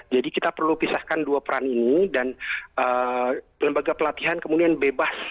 jadi kita perlu pisahkan dua peran ini dan lembaga pelatihan kemudian bebas